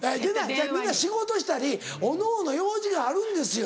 みんな仕事したりおのおの用事があるんですよ